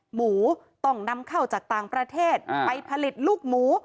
หมูต้องนำเข้าจากต่างประเทศไปผลิตลูกหมู